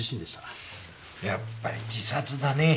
やっぱり自殺だね。